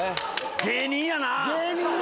芸人やな！